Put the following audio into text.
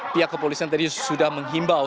pihak kepolisian tadi sudah menghimbau